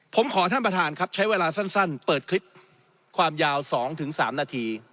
ผมขอท่านประธานครับใช้เวลาสั้นเปิดคลิปความยาว๒๓นาที